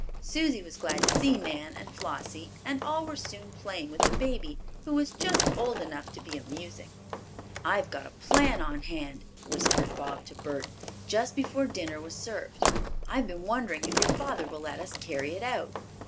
Susie was glad to see Nan and Flossie, and all were soon playing with the baby, who was just old enough to be amusing. "I've got a plan on hand," whispered Bob to Bert, just before dinner was served. "I've been wondering if your father will let us carry it out."